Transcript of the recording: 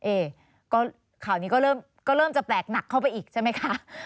เอ๊ก็ข่าวนี้ก็เริ่มจะแปลกหนักเข้าไปอีกใช่ไหมคะ